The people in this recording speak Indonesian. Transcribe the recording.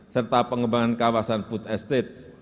serta pengembangan kawasan food estate